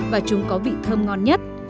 và chúng có vị thơm ngon nhất